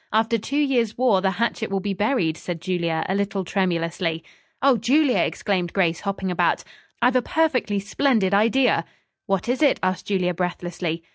"After two years' war the hatchet will be buried," said Julia a little tremulously. "Oh, Julia!" exclaimed Grace, hopping about, "I've a perfectly splendid idea!" "What is it?" asked Julia breathlessly.